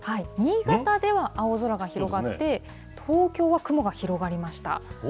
新潟では青空が広がって、東京は雲が広がりました。